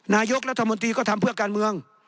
นายกรัฐมนตรีก็ทำเพื่อการเมือง